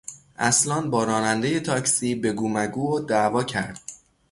اصلان با رانندهی تاکسی بگومگو و دعوا کرد.